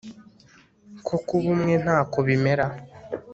ko kuba umwe ntako bimera